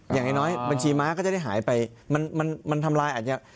อย่างน้อยบัญชีม้าก็จะได้หายไปมันมันทำลายอาจจะ